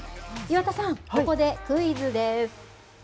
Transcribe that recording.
岩田さん、ここでクイズです。